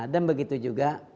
dan begitu juga